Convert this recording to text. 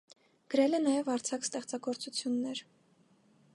Գրել է նաև արձակ ստեղծագործություններ։